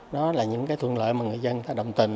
đó là những cái thuận lợi mà người dân đồng tình